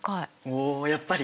おやっぱり。